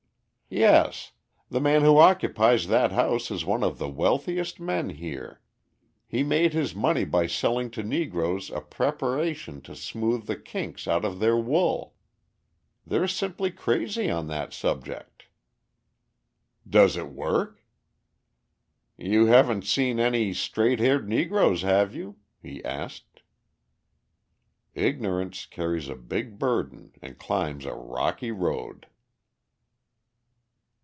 "Yes; the man who occupies that house is one of the wealthiest men here. He made his money by selling to Negroes a preparation to smooth the kinks out of their wool. They're simply crazy on that subject." "Does it work?" "You haven't seen any straight haired Negroes, have you?" he asked. Ignorance carries a big burden and climbs a rocky road!